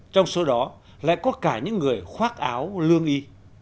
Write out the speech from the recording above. trong số đó lại có cả những người khoác áo lương y